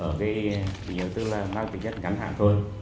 ở cái địa bàn tức là mang tính rất ngắn hạn thôi